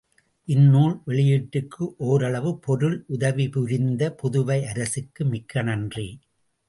இந்நூல் வெளியீட்டுக்கு ஓரளவு பொருள் உதவிபுரிந்த புதுவை அரசுக்கு மிக்க நன்றி.